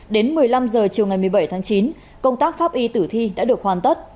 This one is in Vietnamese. đến một mươi năm h chiều ngày một mươi bảy tháng chín công tác pháp y tử thi đã được hoàn tất